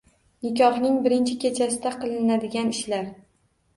Nikohning birinchi kechasida qilinadigan ishlar.